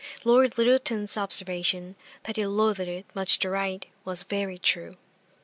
Lord Lyttelton's observation, that "he loathed much to write," was very true.